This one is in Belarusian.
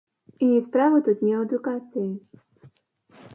І справа тут не ў адукацыі.